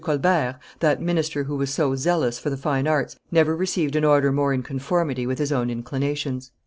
Colbert, that minister who was so zealous for the fine arts, never received an order more in conformity with his own inclinations."